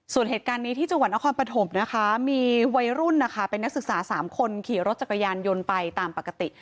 ส่วนเหตุการณ์นี้ที่จังหวัดนครปฐมนะคะมีวัยรุ่นนะคะเป็นนักศึกษา๓คนขี่รถจักรยานยนต์ไปตามปกติ